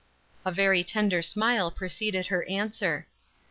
A very tender smile preceded her answer.